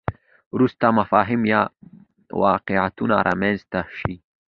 وروسته مفاهیم یا واقعیتونه رامنځته شي.